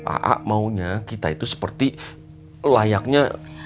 aa maunya kita itu seperti layaknya